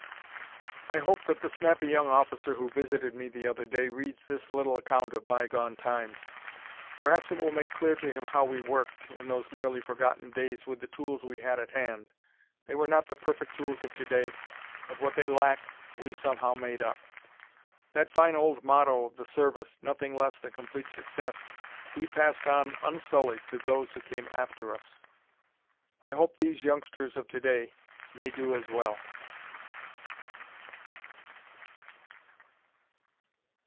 I hope that the snappy young officer who visited me the other day reads this little account of bygone times. Perhaps it will make clear to him how we worked, in those nearly forgotten days, with the tools we had at hand. They were not the perfect tools of to day, but what they lacked, we somehow made up. That fine old motto of the Service, "Nothing Less Than Complete Success," we passed on unsullied to those who came after us. I hope these youngsters of to day may do as well.